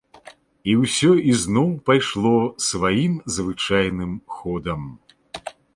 І ўсё ізноў пайшло сваім звычайным ходам.